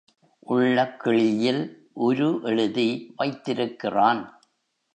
உள்ளக் கிழியில் உரு எழுதி வைத்திருக்கிறான்.